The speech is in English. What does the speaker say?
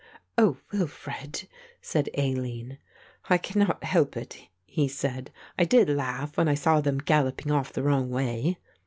"Oh, Wilfred!" said Aline. "I cannot help it," he said, "I did laugh when I saw them galloping off the wrong way."